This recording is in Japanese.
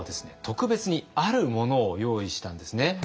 特別にあるものを用意したんですね。